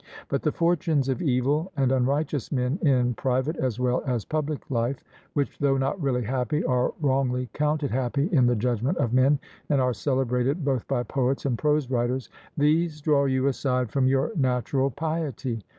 But the fortunes of evil and unrighteous men in private as well as public life, which, though not really happy, are wrongly counted happy in the judgment of men, and are celebrated both by poets and prose writers these draw you aside from your natural piety.